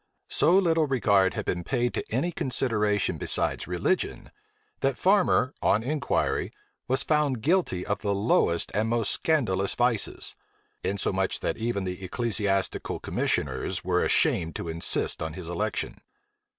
So little regard had been paid to any consideration besides religion, that Farmer, on inquiry, was found guilty of the lowest and most scandalous vices; insomuch that even the ecclesiastical commissioners were ashamed to insist on his election.